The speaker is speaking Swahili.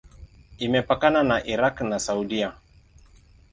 Imepakana na Irak na Saudia.